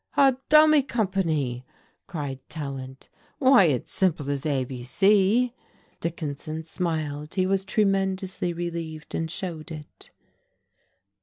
"A dummy company!" cried Tallant. "Why, it's simple as ABC!" Dickinson smiled. He was tremendously relieved, and showed it.